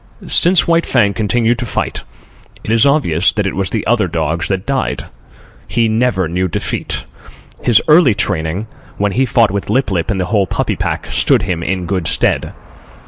Since White Fang continued to fight, it is obvious that it was the other dogs that died. He never knew defeat. His early training, when he fought with Lip lip and the whole puppy pack, stood him in good stead.